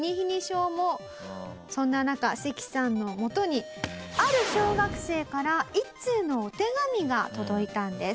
そんな中セキさんのもとにある小学生から一通のお手紙が届いたんです。